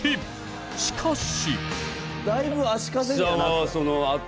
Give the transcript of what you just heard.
しかし。